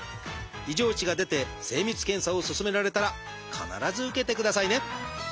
異常値が出て精密検査を勧められたら必ず受けてくださいね。